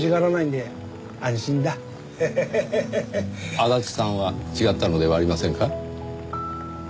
足立さんは違ったのではありませんか？